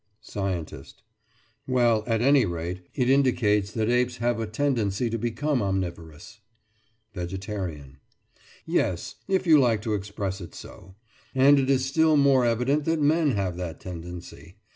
SCIENTIST: Well, at any rate, it indicates that apes have a tendency to become omnivorous. VEGETARIAN: Yes, if you like to express it so; and it is still more evident that men have that tendency.